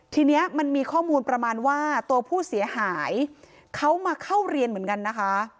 ทีนี้มันมีข้อมูลประมาณว่าตัวผู้เสียหายเขามาเข้าเรียนเหมือนกันนะคะ